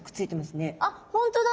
あ本当だ。